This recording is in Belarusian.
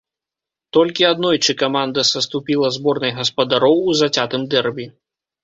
Толькі аднойчы каманда саступіла зборнай гаспадароў у зацятым дэрбі.